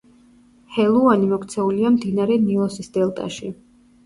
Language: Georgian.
ჰელუანი მოქცეულია მდინარე ნილოსის დელტაში.